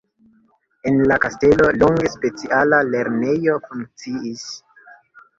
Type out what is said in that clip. En la kastelo longe speciala lernejo funkciis.